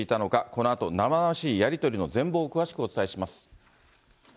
このあと生々しいやり取りの全貌を詳しくお伝えします。